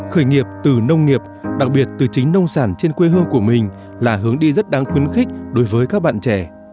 khởi nghiệp từ nông nghiệp đặc biệt từ chính nông sản trên quê hương của mình là hướng đi rất đáng khuyến khích đối với các bạn trẻ